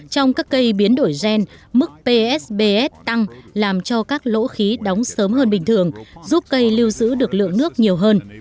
trong các cây biến đổi gen mức psbs tăng làm cho các lỗ khí đóng sớm hơn bình thường giúp cây lưu giữ được lượng nước nhiều hơn